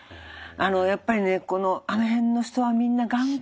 やっぱりねあの辺の人はみんな頑固。